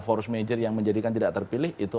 force major yang menjadikan tidak terpilih itu